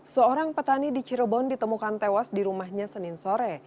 seorang petani di cirebon ditemukan tewas di rumahnya senin sore